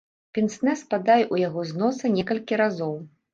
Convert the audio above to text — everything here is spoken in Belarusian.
Пенснэ спадае ў яго з носа некалькі разоў.